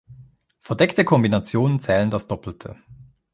Verdeckte Kombinationen zählen das Doppelte.